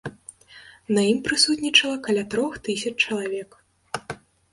На ім прысутнічала каля трох тысяч чалавек.